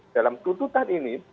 dalam tuntutan ini